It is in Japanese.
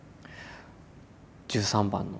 １３番の。